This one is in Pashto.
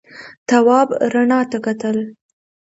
تواب رڼا ته کتل.